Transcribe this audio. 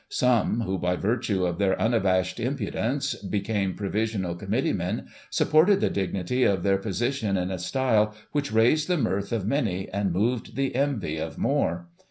Some, who, by virtue of their un abashed impudence, became provisional committee men, sup ported the dignity of their position in a style which raised the mirth of many, and moved the envy of more.